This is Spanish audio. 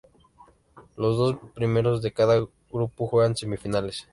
Los dos primeros de cada grupo juegan semifinales.